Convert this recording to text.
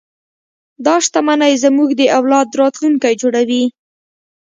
دا شتمنۍ زموږ د اولاد راتلونکی جوړوي.